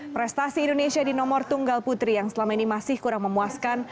prestasi indonesia di nomor tunggal putri yang selama ini masih kurang memuaskan